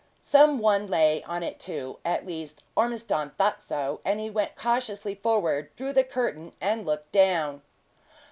Some one lay on it, too at least, Ormiston thought so; and he went cautiously forward, drew the curtain, and looked down.